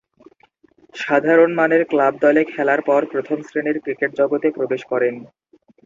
সাধারণ মানের ক্লাব দলে খেলার পর প্রথম-শ্রেণীর ক্রিকেট জগতে প্রবেশ করেন।